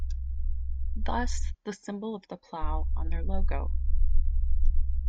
Thus the Symbol of the plough on their Logo.